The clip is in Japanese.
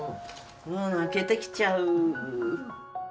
もう泣けてきちゃう。